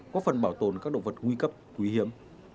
có phần bảo tồn các động vật nguy cấp nguy hiểm